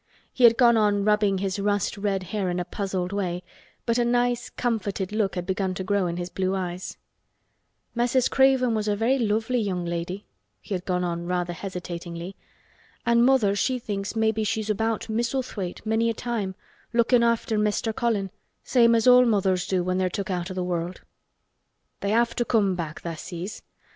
He had gone on rubbing his rust red hair in a puzzled way, but a nice comforted look had begun to grow in his blue eyes. "Mrs. Craven was a very lovely young lady," he had gone on rather hesitatingly. "An' mother she thinks maybe she's about Misselthwaite many a time lookin' after Mester Colin, same as all mothers do when they're took out o' th' world. They have to come back, tha' sees.